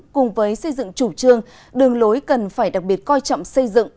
cùng với xây dựng chủ trương đường lối cần phải đặc biệt coi trọng xây dựng